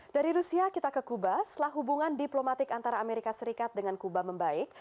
dari rusia kita ke kuba setelah hubungan diplomatik antara amerika serikat dengan kuba membaik